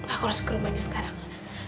aku harus ke rumahnya sekarang